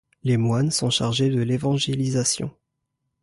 Les moines sont chargés de l'évangélisation.